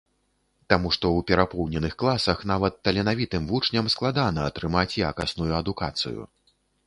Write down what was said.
Таму што ў перапоўненых класах нават таленавітым вучням складана атрымаць якасную адукацыю.